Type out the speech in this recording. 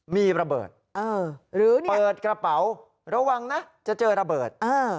มีระเบิดหรือเปิดกระเป๋าระวังนะจะเจอระเบิด